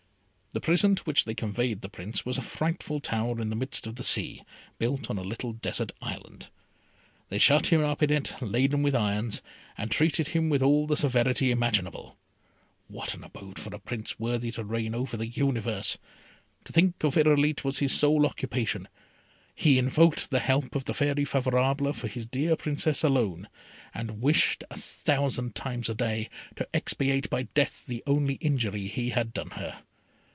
The prison to which they conveyed the Prince was a frightful tower in the midst of the sea, built on a little desert island. They shut him up in it, laden with irons, and treated him with all the severity imaginable. What an abode for a Prince worthy to reign over the universe! To think of Irolite was his sole occupation. He invoked the help of the Fairy Favourable for his dear Princess alone, and wished a thousand times a day, to expiate by death the only injury he had done her.